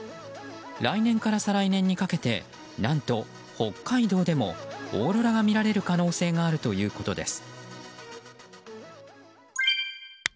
来年から再来年にかけて何と北海道でもオーロラがみられる可能性があるということです。